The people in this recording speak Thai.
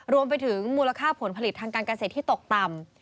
มูลค่าผลผลิตทางการเกษตรที่ตกต่ำ